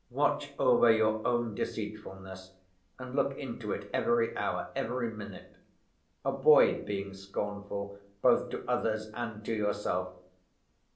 Watch over your own deceitfulness and look into it every hour, every minute. Avoid being scornful, both to others and to yourself.